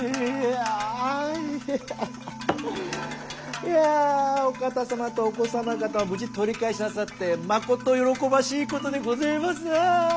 いやお方様とお子様方も無事取り返しなさってまこと喜ばしいことでごぜますなあ！